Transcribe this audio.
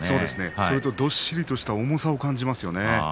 それとどっしりとした重さを感じますね。